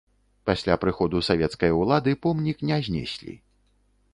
Пасля прыходу савецкай улады помнік не знеслі.